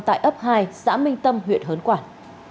tại ấp hai xã minh tâm huyện hớn quảng